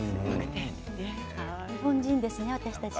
日本人ですね、私たち。